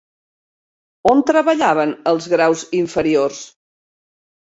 On treballaven els graus inferiors?